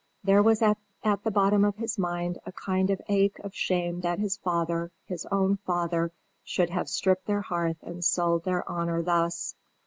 There was at the bottom of his mind a kind of ache of shame that his father his own father should have stripped their hearth and sold their honour thus.